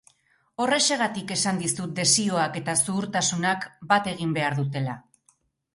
Horrexegatik esan dizut desioak eta zuhurtasunak bat egin behar dutela.